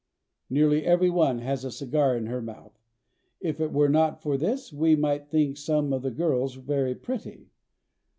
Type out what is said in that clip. Nearly every one has a cigar in her mouth. If it were not for this we might think some of the girls very pretty.